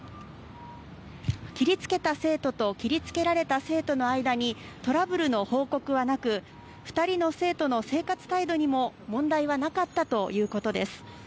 切り付けた生徒と切り付けられた生徒の間にトラブルの報告はなく２人の生徒の生活態度にも問題はなかったということです。